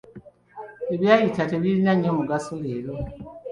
Ebyayita tebirina nnyo mugaso leero.